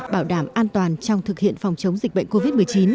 hoàn toàn trong thực hiện phòng chống dịch bệnh covid một mươi chín